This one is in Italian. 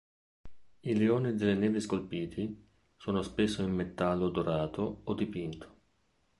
I Leoni delle nevi scolpiti sono spesso in metallo dorato o dipinto.